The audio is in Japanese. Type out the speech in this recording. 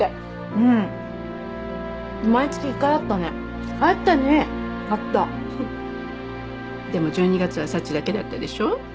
うん毎月１回あったねあったねあったでも１２月はサチだけだったでしょ？